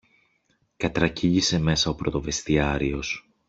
κατρακύλησε μέσα ο πρωτοβεστιάριος.